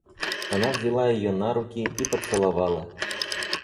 Она взяла ее на руки и поцеловала.